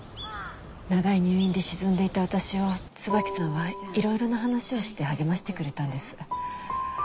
長い入院で沈んでいた私を椿さんは色々な話をして励ましてくれたんです。